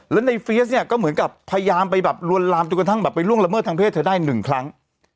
แล้วในเฟียสเนี่ยก็เหมือนกับพยายามไปแบบลวนลามจนกระทั่งแบบไปล่วงละเมิดทางเพศเธอได้หนึ่งครั้ง